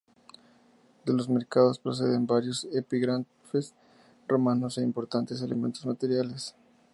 De Los Mercados proceden varios epígrafes romanos e importantes elementos materiales.